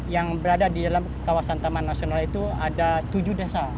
yang berada di dalam kawasan taman nasional itu ada tujuh desa